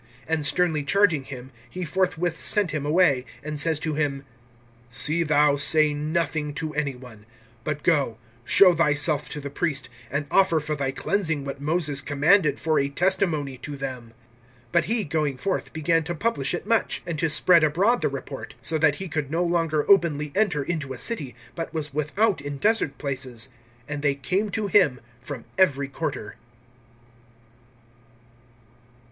(43)And sternly charging him, he forthwith sent him away; (44)and says to him: See thou say nothing to any one; but go, show thyself to the priest, and offer for thy cleansing what Moses commanded, for a testimony to them. (45)But he, going forth, began to publish it much, and to spread abroad the report; so that he could no longer openly enter into a city, but was without in desert places. And they came to him from every quarter.